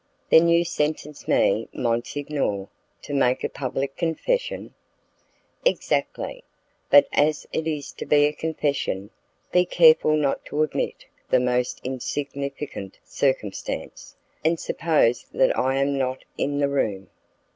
"Then you sentence me, monsignor, to make a public confession?" "Exactly; but, as it is to be a confession, be careful not to omit the most insignificant circumstance, and suppose that I am not in the room."